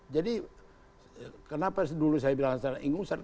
jadi kenapa dulu saya bilang ingu ingu usaha